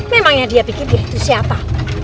memangnya dia pikir dia itu siapa